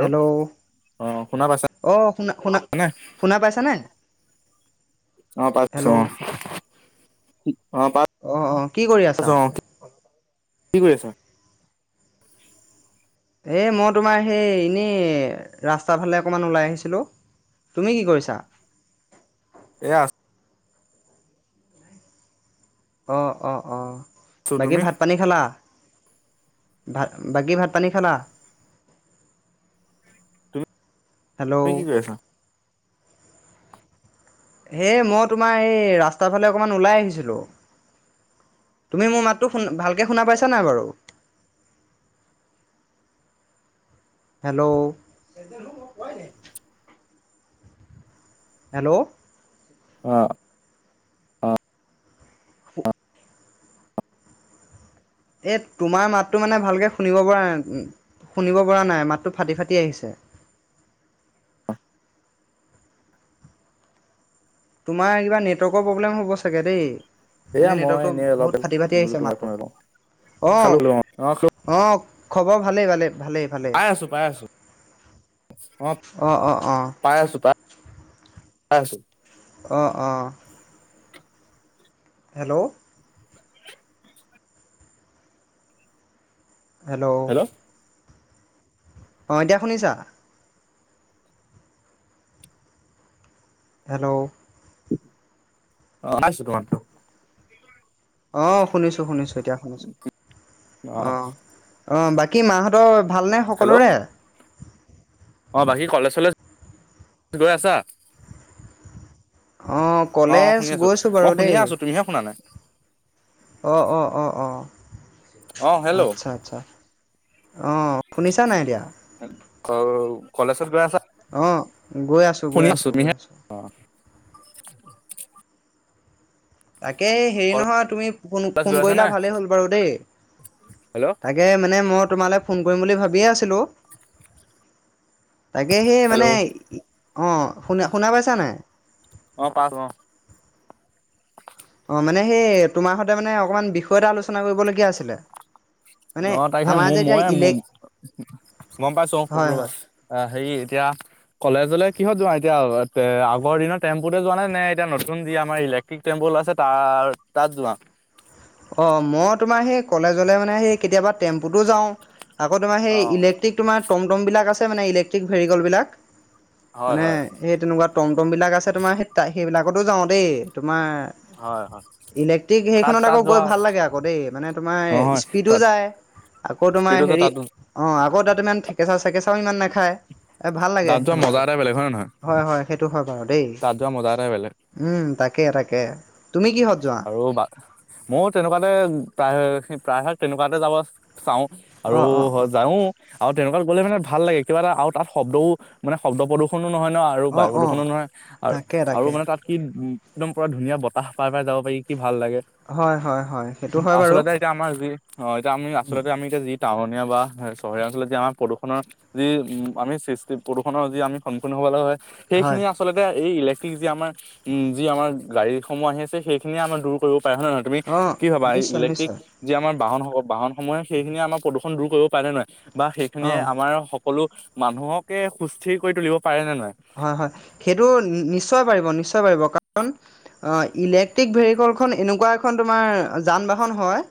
Hello. অ শুনা পাইছানে? অঁ, শুনা -শুনা -শুনা পাইছা নাই? অঁ, পাইছো অঁ, পা- অ অ কি কৰি আছা? পাইছো অঁ। কি কৰি আছা? এই মই তোমাৰ সেই এনেই ৰাস্তাৰ ফালে অকণমান ওলাই আহিছিলোঁ। তুমি কি কৰিছা? এয়া - অঁ- অঁ -অঁ, আছো বাকী তুমি ভাত -পানী খালা? ভাত বাকী ভাত- পানী খাল তুমি হেল্ল'। তুমি কি কৰি আছা? হে মই তোমাৰ এই ৰাস্তাৰ ফালে অকমান ওলাই আহিছিলোঁ। তুমি মোৰ মাতটো শুন ভালকৈ শুনা পাইছা নাই বাৰু? হেল্ল'। এদিনো মোক কোৱাই নাই। হেল্ল'। অঁ। [inaudible] এই তোমাৰ মাতটো মানে ভালকৈ শুনিব পৰা নাই, শুনিব পৰা নাই মাতটো ফাটি ফাটি আহিছে। তোমাৰ কিবা নেটৱৰ্কৰ প্ৰব্লেম হ'ব চাগে দেই। এয়া মানে মই নেটৱৰ্কটো এনেই অলপ বহুত ফাটি ফাটি বোলো আহিছে তোমাক ফোন এটা কৰো। মাতটো খালো খালো অ অ খালো অঁ। অঁ খবৰ ভালেই -ভালেই -ভালেই। ভালেই পাই আছো পাই আছো অ অঁ অঁ অঁ পাই আছো পা ছো। অঁ অ হেল্ল' হেল্ল' অঁ এতিয়া শুনিছা? হেল্ল' অ পাইছো তোমাৰতো। অ শুনিছো শুনিছো এতিয়া শুনিছো, অ অ বাক কি মাহঁতৰ ভালনে হেল্ল' সকলোৰে? অ বাকী কলেজ চলেজ গৈ আছা? অ অ অ কলেজ শুনি আছো গৈছো মই বাৰু শুনিয়ে দেই। আছো তুমিহে শুনা নাই অ অ অ অ অ হেল্ল' অ আচ্ছা আচ্ছা অ শুনিছা নাই এতিয়া? অ উ কলেজত গৈ আছা? অ গৈ আছো গৈ শুনি আছো গৈ তুমিহে আছো। তাকে হেৰি কলেজ নহয় তুমি ফোন গৈ ফোন আছা কৰিলা নে? ভালেই হ'ল বাৰু দেই হেল্ল' তাক কে মানে মই তোমালে ফোন কৰিম বুলি ভাবিয়ে আছিলো। তাকে সেই হেল্ল' মানে অ শুনা শুনা পাইছা নাই? অ পাইছো অ। অ মানে সেই তোমাৰ সৈতে মানে অকমান বিষয় এটা আলোচনা কৰিবলগীয়া আছিলে। মানে ন তাৰিখে আমাৰ মোৰ যে এতিয়া ময়ে মো ইলেক গম পাইছো অ হয় ৰবা। হয় অ হেই এতিয়া কলেজলে কিহত যোৱা এতিয়া আগৰ দিনৰ টেম্পুতে যোৱা নে নে এতিয়া নতুন যি আমাৰ ইলেক ক্টিক টেম্পু ওলাইছে তাৰ তাত যোৱা। অ মই তোমাৰ সেই কলেজলে মানে সেই কেতিয়াবা টেম্পুটো যাওঁ। আকৌ তোমাৰ সেই অ ইলেক্ট্ৰিক তোমাৰ টমটম বিলাক আছে মানে ইলেক্ট্ৰিক ভেৰিকলবিলাক, হয় মানে হয় সেই তেনেকুৱা টমটম বিলাক আছে তোমাৰ সেই সেইবিলাকতো যাওঁ দেই তোমাৰ। হয় হয় ইলেক্ট্ৰিক তাত সেইখনত তাত আকৌ, গৈ যোৱা ভাল লাগে আকৌ দেই মানে তোমাৰ নহয় স্পীডো তাত যায় আকৌ তোমাৰ স্পীডো যোৱা হেৰি, তাত অঁ আকৌ তাত ইমান থেকেচা চেকেচাও ইমান নেখায়। এই ভাল লাগে তাত যোৱা সেইখনত মজা গৈ, এটাই বেলেগ হয় নে নহয় হয় হয় সেইটো হয় বাৰু দেই। তাত যোৱা মজা এটাই বেলেগ উম তাকে তাকে তুমি কিহত যোৱা? আৰু বা, ময়ো তেনেকুৱাতে প্ৰায় প্ৰায়ভাগ তেনেকুৱাতে যাব- চাওঁ আৰু অঁ অঁ অঁ যাওঁ। আৰু তেনেকুৱাত গ'লে মানে ভাল লাগে কিবা এটা আৰু তাত শব্দও মানে শব্দ প্ৰদূষনো নহয় ন। আৰু অঁ বায়ু অঁ প্ৰদূৰণো নহয় আৰু তাকে আৰু তাকে মানে তাত কি একদম পুৰা ধুনীয়া বতাহ পাই পাই যাব- কই কি ভাল লাগে। হয় হয় হয় সেইটো হয় বাৰু। আচলতে এতিয়া আমাৰ যি অ এতিয়া আমি উম আচলতে আমি এতিয়া যি টাউনীয়া বা চহৰীয়া অঞ্চলত যি আমাৰ প্ৰদূষণৰ- যি উম আমি সৃষ্টি প্ৰদূষণৰ যি আমি সন্মুখীন হবলৈ হয়। হয় সেইখিনি আচলতে এই ইলেক্ট্ৰিক যি আমাৰ উম যি আমাৰ গাড়ীসমূহ আহি আছে সেই- খিনি আমাৰ দূৰ কৰিব পাৰে হয় নে নহয়, তুমি অঁ কি ভাবা, এই নিশ্চয় ইলেকট্ৰিক- নিশ্চয় যি আমাৰ বাহন বাহনসমূহে সেইখিনিয়ে আমাৰ প্ৰদূষণ দূৰ কৰিব পাৰে নে নোৱাৰে বা সেইখিনিয়ে অঁ আমাৰ স সকলো মানুহকে সুস্থিৰ কৰি তুলিব পাৰে নে নোৱাৰে? হয়, হয়। সেইটো নিশ্চয় পাৰিব, নিশ্চয় পাৰিব, কাৰণ অ', ইলেকট্ৰিক ভেহিকলখন এনেকুৱা এখন তোমাৰ যান-বাহন হয়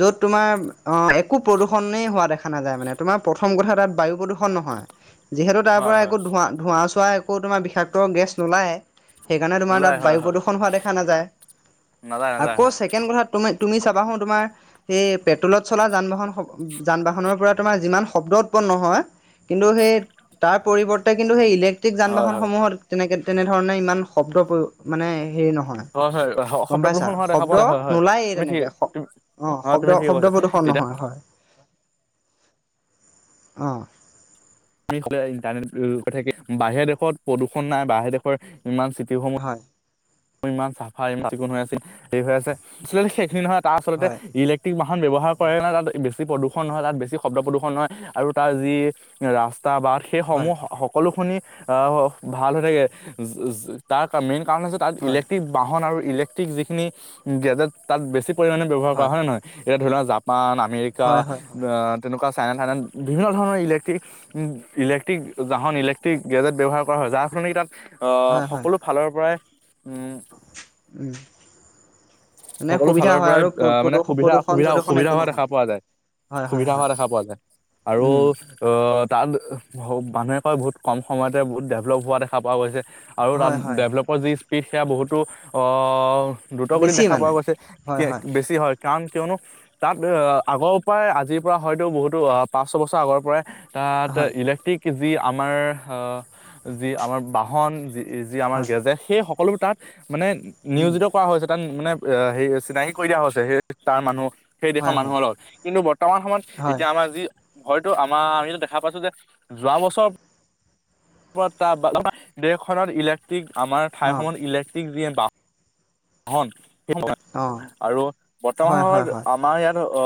য'ত তোমাৰ অ' একো প্ৰদূষণেই হোৱা দেখা নাযায় মানে, তোমাৰ প্ৰথম কথা তাত বায়ু প্ৰদূষণ নহয়। যিহেতু তাৰ হয় পৰা হয় একো ধোঁৱা, ধোঁৱা-চোৱা একো তোমাৰ বিষাক্ত গেছ নোলায়ে। সেইকাৰণে, তোমাৰ তাত নোলায় হয় বায়ু হয় প্ৰদূষণ হোৱা দেখা নাযায়। নাযায় নাযায় আকৌ হয় ছেকেণ্ড কথাত তুমি, তুমি চাবাহো তোমাৰ সেই পেট্ৰ'লত চলা যান-বাহন স যান-বাহনৰ পৰা তোমাৰ যিমান শব্দ উৎপন্ন হয় কিন্তু সেই তাৰ পৰিৱৰ্তে কিন্তু সেই ইলেক ট্ৰিক হয় হয় যান-বাহনসমূহত তেনেকে তেনেধৰণে ইমান শব্দ পয়ো মানে হেৰি নহয়। হয়, হয়, হ গম পাইছা শব্দপ্ৰহণ হোৱা দেখা শব্দ পোৱা যায়, হয়, হয়, নোলায়েই তুমি ঠিক তেনেকে তু অঁ অ', শব্দ তুমি ঠিকে কৈছা, এতিয়া অ'। আমি [unintelligible] ইণ্টাৰনেট থাকি বাহিৰা দেশত প্ৰদূষণ নাই, বাহিৰ দেশৰ ইমান চিটি সমূহ হয়। ইমান চাফা ইমান চিকুণ হৈ আছিল হেই হৈ আছে, [unintelligible] সেইখিনি নহয় তাৰ আচলতে হয় ইলে ট্ৰিক বাহন ব্যৱহাৰ কৰে কাৰণে তাত বেছি প্ৰদূষণ নহয়, তাত বেছি শব্দ প্ৰদূষণ নহয় আৰু তাৰ যি ৰাস্তা-বাট হয় সেইসমূহ সকলোখনি [unintelligible] ভাল হৈ থাকে, [unintelligible] তাৰ মেইন কাৰণ হৈছে তাৰ হয় ইলেক্ট্ৰিক বাহন আৰু ইলেক্ট্ৰিক যিখিনি গেজেট তাত বেছি পৰিমাণে ব্যৱহাৰ কৰা হয় নে নহয়? এতিয়া ধৰি লোৱা জাপান, আমেৰিকা হয় হয় আঁ তেনেকুৱা চাইনা থাইনা [unintelligible] বিভিন্ন ধৰণৰ ইলেক্ট্ৰিক উম ইলেক্ট্ৰিক জাহন ইলেক্ট্ৰিক গেজেট ব্যৱহাৰ কৰা হয়, যাৰ ফলনে কি তাত আ হয় হয় হয় সকলো ফালৰ পৰাই উম উম। মানে সকলো সুবিধা ফালৰ হয় পৰাই আৰু আ মানে প্ৰদূষণ সুবিধা, প্ৰদূষণ সুবিধা, চদূষণ একো সুবিধা হোৱা নহয় দেখা পোৱা যায়। হয় হয় সুবিধা হোৱা হয় দেখা পোৱা যায়, আৰু উম অ, তাত মানুহে কয় বহুত কম সময়তে বহুত ডেভেলপ হোৱা দেখা পোৱা গৈছে আৰু তাত হয় হয় ডেভেলপৰ যি স্পীড সেয়া বহুতো অ, দ্ৰুতগতিত বেছি দেখা [unintelligible] পোৱা মানে গৈছে, কি হয় হয় বেছি হয়। কাৰণ কিয়নো তাত আগৰ পৰাই আজিৰ পৰা হয়তো বহুতো আ পাঁচ ছবছৰ আগৰ পৰাই তাত হয় ইলেক্ট্ৰিক যি আমাৰ হ যি আমাৰ বাহন যি যি আমাৰ হয় গেজেট, সেই সকলোবোৰ তাত মানে উম নিয়োজিত কৰা হৈছে, তাত মানে এ হেই চিনাকি কৰি দিয়া হৈছে সেই তাৰ মানুহ, সেই দেশৰ হয় হয় মানুহৰ লগত কিন্তু বৰ্তমান সময়ত হয় এতিয়া আমাৰ যি হয়তো আমাৰ আমিতো দেখা পাইছো যে, যোৱা বছৰ পৰা [unintelligible] দেশখনত ইলেক্ট্ৰিক আমাৰ ঠাই অঁ [unintelligible] ইলেক্ট্ৰিক [inaudible] অঁ আৰু বৰ্তমান হয় হয় সময়ত হয় আমাৰ ইয়াত অ,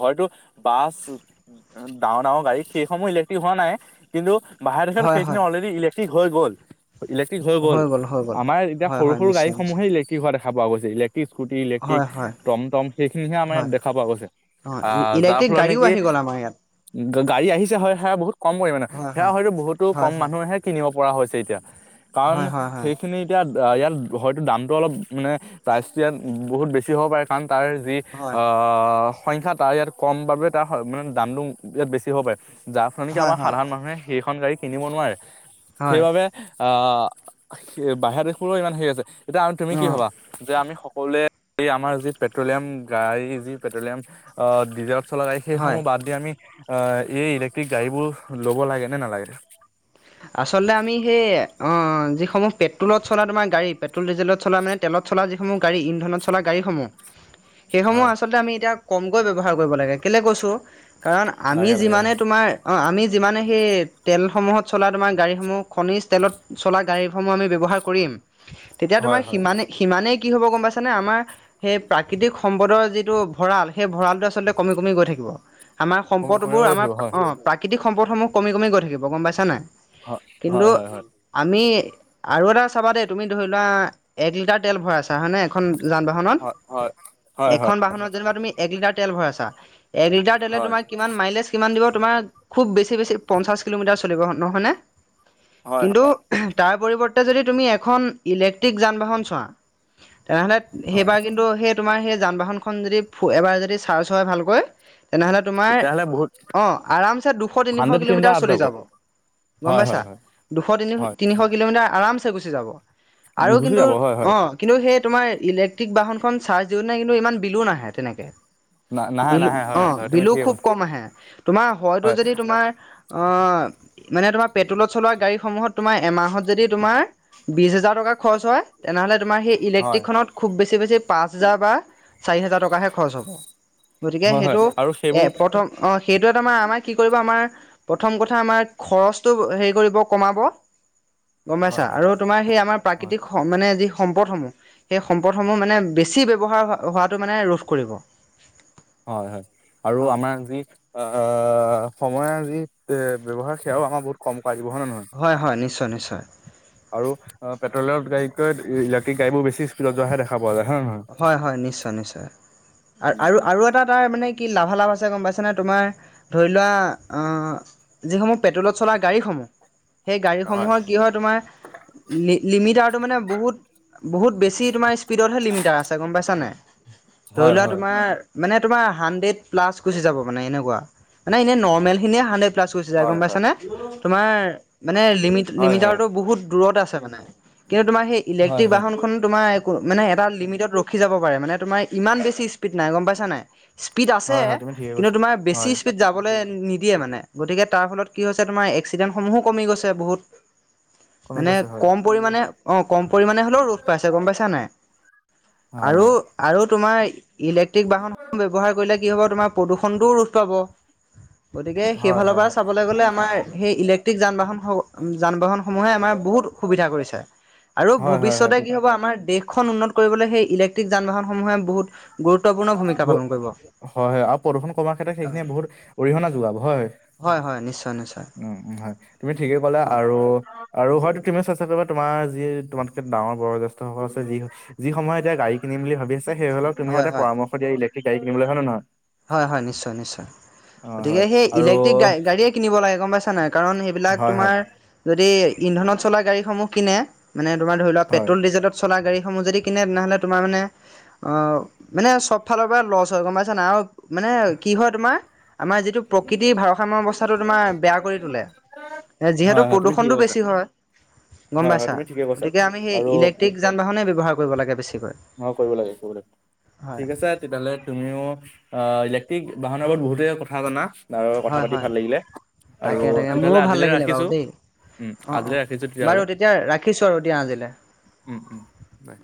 হয়তো বাছ ডাঙৰ-ডাঙৰ গাড়ী সেইসমূহ ইলেক্ট্ৰিক হোৱা নাই, কিন্তু বাহ হয় সেইখিনি হয় অলৰেডি ইলেক্ট্ৰিক হৈ গ'ল, ইলেক্ট্ৰিক হৈ গ'ল। হৈ গ'ল আমাৰ এতিয়া হয় হয় সৰু-সৰু নিশ্চয় নিশ্চয় গাড়ীসমূহেই ইলে কি হোৱা দেখা পোৱা গৈছে, ইলেক্ট্ৰিক স্কুটি ইলেট্ৰিক হয় হয় টম টম, সেইখিনিহে আমাৰ ইয়াত হয় দেখা পোৱা গৈছে। অঁ আ যাৰ ইলেক্ট্ৰিক ফলত গাড়ীও নেকি আহি গ'ল আমাৰ ইয়াত গ--গাড়ী আহিছে হয় সেয়া বহুত কম পৰিমাণে হয় সেয়া হয় হয়টো বহুতো হয় কম হয় মানুহে হে কিনিব পৰা হৈছে এতিয়া, কাৰণ হয় হয় হয় সেইখিনি ইয়াত ইয়াত হয়তো দামটো অলপ মানে প্ৰাইচটো ইয়াত বহুত বেছি হ'ব পাৰে কাৰণ তাৰ যি হয় আ সংখ্যা তাৰ ইয়াত কম বাবে তাৰ মানে দামটো ইয়াত বেছি হ'ব পাৰে। যাৰ ফলত নেকি হয় আমাৰ সাধাৰণ মানুহে সেইখন গাড়ী কিনিব নোৱাৰে, হয় হয় সেইবাবে আ, বাহিৰা দেশৰো ইমান হেৰি আছে। এতিয়া আমি তুমি কি অঁ ভবা? যে আমি সকলোৱে এই আমাৰ যি পেট্ৰলিয়াম গাঢ়ী যি পেট্ৰলিয়াম অ, ডিজেল চলা গাঢ়ী হয় সেইসমূহ বাদ দি আমি এই ইলেক্ট্ৰিক গাড়ীবোৰ ল'ব লাগে নে নালাগে? [unintelligible] আচলতে আমি সেই অ', যিসমূহ পেট্ৰলত চলা তোমাৰ গাড়ী, পেট্ৰল ডিজেলত চলা মানে তেলত চলা যিসমূহ গাড়ী, ইন্ধত চলা গাড়ী সমূহ [unintelligible] সেইসমূহ আচলতে আমি এতিয়া কমকৈ ব্যৱহাৰ কৰিব লাগে। কেলৈ কৈছোঁ, কাৰণ আমি লাগে লাগে যিমানে হয়। তোমাৰ অ', আমি যিমানে সেই তেলসমূহত চলা তোমাৰ গাড়ীসমূহ খনিজ তেলত চলা গাড়ীসমূহ আমি ব্যৱহাৰ কৰিম। তেতিয়া তোমাৰ হয় হয় সিমানে-সিমানেই কি হ'ব গম পাইছানে আমাৰ সেই প্ৰাকৃতিক সম্পদৰ যিটো ভঁৰাল, সেই ভঁৰালটো আচলতে কমি-কমি গৈ থাকিব। আমাৰ কমিব সম্পদবোৰ আমাৰ থাকিব হয়। অ', প্ৰাকৃতিক সম্পদসমূহ কমি-কমি গৈ থাকিব গম পাইছা নাই। হয়, কিন্তু হয়, হয়, হয়। আমি আৰু এটা চাবা দেই তুমি ধৰি লোৱা, এক লিটাৰ তেল ভৰাইছা হয়নে? এখন যান বাহনত, হয় হয় হয় হয় এখন বাহনত যেনিবা তুমি এক লিটাৰ তেল ভৰাইছা এক লিটাৰ তেলে হয় তোমাক কিমান মাইলেজ কিমান দিব তোমাৰ খুব বেছি-বেছি পঞ্চাছ কিলোমিটাৰ চলিব হয় নহয়নে? হয় হয়। কিন্তু তাৰ পৰিৱৰ্তে যদি তুমি এখন ইলেক্ট্ৰিক যান বাহন চোৱা তেনেহ'লে, হয়। সেইবাৰ কিন্তু সেই তোমাৰ সেই যানবাহনখন‌ যদি ফু এবাৰ যদি চাৰ্ছ হয় ভালকৈ, তেনেহলে তোমাৰ তেতিয়াহ'লে বহুত অ', আৰামছে দুশ তিনিশ কিলোমিটাৰ চলি যাব। গম হয় পাইছা? হয় হয় দুশ হয় তিনি-তিনিশ কিলোমিটাৰ আৰাম চে গুচি যাব। আৰু গুচি কিন্তু, যাব হয় হয়। অ'। কিন্তু সেই তোমাৰ ইলেক্ট্ৰিক বাহনখন চাৰ্জ দিওঁ নাই কিন্তু ইমান বিলো নাহে তেনেকে। না নাহে বিলু নাহে হয় অ', হয় তুমি বিলু ঠিকে খুব কৈছা কম আহে। তোমাৰ হয়তো হয় যদি তোমাৰ অ, মানে তোমাৰ পেট্ৰলত তোমাৰ এমাহত যদি তোমাৰ বিশ হাজাৰ টকা খৰচ হয়, তেনেহলে তোমাৰ সেই হয় ইলেক্ট্ৰিকখনত খুব বেছি-বেছি পাঁচ হাজাৰ বা চাৰি হাজাৰ টকাহে খৰচ হ'ব। গতিকে হয় হয় সেইটো আৰু এ সেইবোৰ প্ৰথম অ', সেইটো এটা আমাৰ-আমাৰ কি কৰিব আমাৰ, প্ৰথম কথা আমাৰ খৰচটো হেৰি কৰিব কমাব, গম পাইছা? হয় হয় আৰু তোমাৰ সেই আমাৰ হয়। প্ৰাকৃতিক মানে যি সম্পদসমূহ, সেই সম্পদসমূহ মানে বেছি ব্যৱহাৰ হোৱাটো মানে ৰোধ কৰিব। হয়, হয়। আৰু অ আমাৰ যি অ', সময় আজি এ ব্যৱহাৰ সেৱাও আমাৰ বহুত কম কৰাই দিব, হয়নে নহয়? হয়, হয়, নিশ্চয়, নিশ্চয়। আৰু পেট্ৰলৰ গঢ়িতকৈ ইলেক্ট্ৰিক গাঢ়িবুৰ বেছি স্পীডত যোৱাহে দেখা পোৱা যায়, হয় নে হয়? হয় নিশ্চয়, নিশ্চয় আৰু-আৰু-আৰু এটা তাৰ কি লাভালাভ আছে গম পাইছনে তোমাৰ ধৰি লোৱা অ, যিসমূহ পেট্ৰলত চলা গাঢ়ীসমূহ, সেই নহয়? গাঢ়ীসমূহৰ কি হয় তোমাৰ ল লিমিটাৰ টো মানে বহুত, বহুত বেছি তোমাৰ স্পীডতহে লিমি তাৰ আছে গম পাইছানে? ধৰি হয় লোৱা হয় তোমাৰ মানে তোমাৰ হান্দ্ৰেদ প্লাছ গুচি যাব মানে এনেকুৱা, মানে এনে নৰ্মেল খিনিয়ে হান্দ্ৰেদ প্লাছ গুচি যায় হয় গম হয় পাইছনে? তোমাৰ মানে লিমি হয় হয় লিমিটাৰটো বহুত দূৰত আছে মানে। কিন্তু তোমাৰ সেই হয় হয় ইলেক্ট্ৰিক হয় বাহনখন তোমাৰ মানে এটা লি তাত ৰখি যাব পাৰে মানে, তোমাৰ ইমান বেছি স্পীড নাই গম পাইছা নাই? স্পীড আছে, হয় হয় তুমি ঠিকে কিন্তু কৈছা তোমাৰ বেছি হয় স্পীড যাবলে নিদিয়ে মানে। গতিকে তাৰ ফলত কি হৈছে তোমাৰ এক্সিডেণ্টসমূহো কমি গৈছে বহুত। কমি মানে গৈছে হয় কম পৰিমানে অ' কম পৰিমণে হ'লেও ৰোধ পাইছে গম পাইছে নাই? হয় আৰু হয় আৰু তোমাৰ ইলেক্ট্ৰিক বাহন ব্যৱহাৰ কৰিলে কি হ'ব তোমাৰ প্ৰদূষণটোও ৰোধ পাব। গতিকে হয় সেইফালৰ হয় পৰা হয় চাবলে গ'লে আমাৰ সেই ইলেক্ট্ৰিক যান-বাহন যান-বাহনসমূহে আমাৰ বহুত সুবিধা কৰিছে আৰু হয় হয় হয় ভৱিষ্যতে কি হ'ব আমাৰ দেশ দেশখন উন্নত কৰিবলৈ সেই ইলেক্ট্ৰিক যান-বাহনসমূহে বহুত গুৰুত্বপূৰ্ণ ভূমিকা পালন কৰিব। হয় হয় আৰু প্ৰদূষণ কমাৰ ক্ষেত্ৰত অ সেইখিনিয়ে বহুত অৰিহণা যোগাব হয়। হয়, নিশ্চয় নিশ্চয়। উম হয়, তুমি ঠিকেই ক'লা অ আৰু আৰু হয়তো তুমিও চেষ্টা কৰিবা তোমাৰ যি তোমাতকে ডাঙৰ বয়োজ্যেষ্ঠসকল আছে যি যিসমূহে এতিয়া গাড়ী কিনিম বুলি ভাবি আছে। সেইসকলক তুমি হয় যাতে হয় পৰামৰ্শ দিয়া ইলেক্ট্ৰিক গাড়ী কিনিবলে হয় নে নহয়? হয় নিশ্চয় নিশ্চয়। অ', গতিকে হয় সেই আৰু ইলেক্ট্ৰিক গাড়ীয়ে কিনিব লাগে গম পাইছা নাই। কাৰণ সেইবিলাক হয়, হয়, তোমাৰ যদি ইন্ধনত চলা গাড়ীসমূহ কিনে। মানে তোমাৰ ধৰি লোৱা হয়, পেট্ৰল ডিজেলত চলা গাড়ীসমূহ যদি কিনে তেনেহ'লে তোমাৰ মানে অ' মানে চব ফালৰ পৰা লছ হয় গম পাইছেনে আৰু মানে কি হয় তোমাৰ আমাৰ যিটো প্ৰকৃতিৰ ভাৰসাম্য অৱস্থাটো তোমাৰ বেয়া কৰি তোলে। যিহেতু হয়, হয়, তুমি ঠিকে প্ৰদূষণটো কৈছা। বেছি হয়। গম হয়, হয়, পাইছা? তুমি ঠিকে কৈছা গতিকে আমি সেই আৰু ইলেক্ট্ৰিক যান-বাহনে ব্যৱহাৰ কৰিব লাগে বেছিকৈ। কৰিব লাগে, কৰিব লাগে। হয়। ঠিক আছে তেতিয়াহ'লে তুমিও অ' ইলেক্ট্ৰিক বাহনৰ ওপৰত বহুতে কথা জানা? আৰু কথা হয় পাতি হয় ভাল লাগিলে। আৰু তাকে তাকে তেতিয়াহ'লে মোৰো ভাল আজিলৈ লাগিলে বাৰু ৰাখিছোঁ। দেই। উম, অ' আজিলৈ ৰাখিছোঁ তেতিয়াহ'লে। বাৰু তেতিয়া ৰাখিছো আৰু দিয়া আজিলে। উম বাই